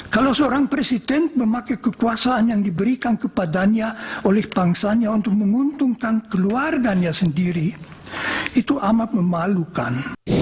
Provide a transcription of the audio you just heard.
kalau seorang presiden memakai kekuasaan yang diberikan kepadanya oleh bangsanya untuk menguntungkan keluarganya sendiri itu amat memalukan